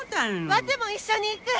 ワテも一緒に行く！